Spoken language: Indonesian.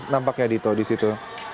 nampaknya dito disitu